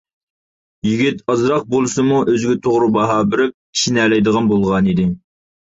يىگىت ئازراق بولسىمۇ ئۆزىگە توغرا باھا بېرىپ، ئىشىنەلەيدىغان بولغانىدى.